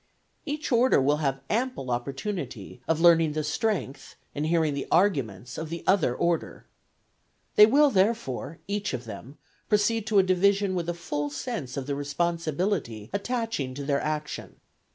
Each order will have ample opportunity of learning the strength and hearing the arguments of the other order. They will therefore, each of them, proceed to a division with a full sense of the responsibility attaching to their action.